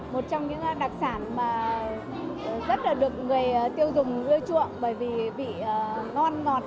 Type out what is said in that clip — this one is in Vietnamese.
một trong những đặc sản mà rất là được người tiêu dùng ưa chuộng bởi vì vị ngon ngọt tự nhiên từ con sá sùng